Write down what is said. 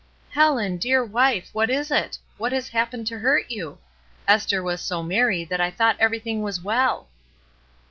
'^ Helen, dear wife, what is it? What has hap pened to hurt you? Esther was so merry that I thought everything was well."